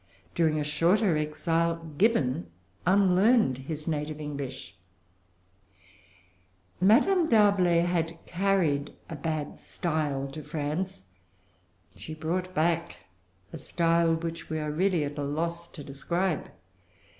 During a shorter exile, Gibbon unlearned his native English. Madame D'Arblay had carried a bad style to France. She brought back a style which we are really at a loss to describe.